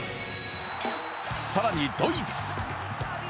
さらにドイツ。